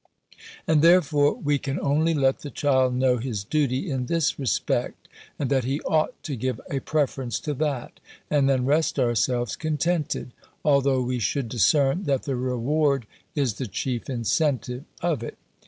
And, therefore, we can only let the child know his duty in this respect, and that he ought to give a preference to that; and then rest ourselves contented, although we should discern, that the reward is the chief incentive, of it.